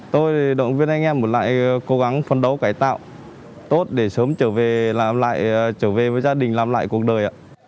tôi động viên anh em một lại cố gắng phân đấu cải tạo tốt để sớm trở về với gia đình làm lại cuộc đời